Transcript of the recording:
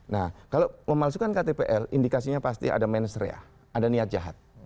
nah kalau memalsukan ktpl indikasinya pasti ada mensreah ada niat jahat